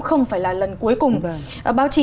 không phải là lần cuối cùng báo chí